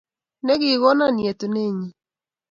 Ne kigona yetunennyi